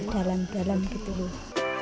dalam dalam gitu loh